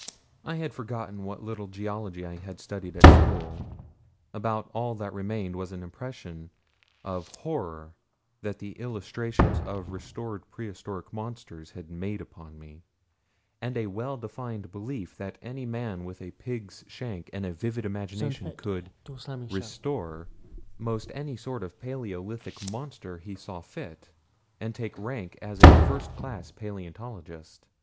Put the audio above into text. I had forgotten what little geology I had studied at school about all that remained was an impression of horror that the illustrations of restored prehistoric monsters had made upon me, and a well defined belief that any man with a pig's shank and a vivid imagination could "restore" most any sort of paleolithic monster he saw fit, and take rank as a first class paleontologist.